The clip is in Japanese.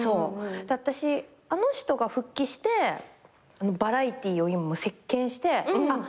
私あの人が復帰してバラエティーを席巻してあっ